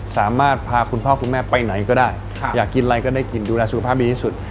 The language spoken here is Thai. สามารถพาคุณพ่อคุณแม่ไปไหนก็ได้อยากกินอะไรก็ได้กินดูแลสุขภาพดีที่สุด